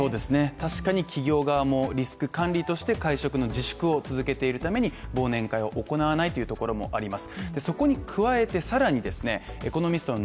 確かに企業側もリスク管理として会食の自粛を続けているために、忘年会を行わないというところもあります